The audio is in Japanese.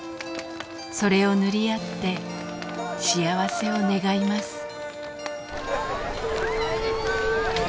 それを塗り合って幸せを願います。